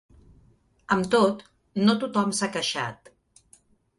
Amb tot, no tothom s’ha queixat.